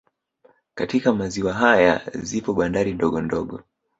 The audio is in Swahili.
Katika maziwa haya zipo bandari ndogo ndogo